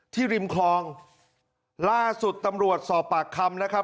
ริมคลองล่าสุดตำรวจสอบปากคำนะครับ